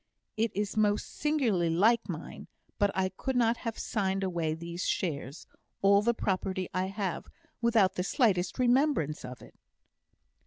"It is most singularly like mine; but I could not have signed away these shares all the property I have without the slightest remembrance of it."